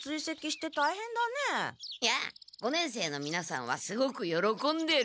いや五年生のみなさんはすごくよろこんでる。